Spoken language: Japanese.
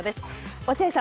落合さん